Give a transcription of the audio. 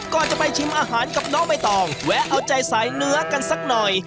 ก่อนจะไปชิมอาหารกับน้องใบตองแวะเอาใจสายเนื้อกันสักหน่อย